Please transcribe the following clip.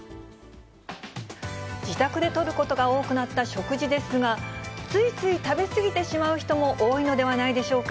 自宅でとることが多くなった食事ですが、ついつい食べ過ぎてしまう人も多いのではないでしょうか。